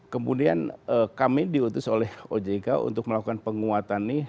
kemudian kami diutus oleh ojk untuk melakukan penguatan ini